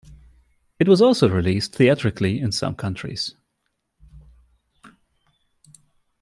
It was also released theatrically in some countries.